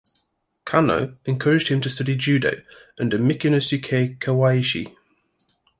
Kano encouraged him to study Judo under Mikinosuke Kawaishi.